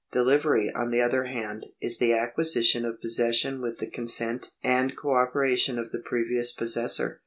Delivery, on the other hand, is the acquisition of possession with the consent and co operation of the previous possessor.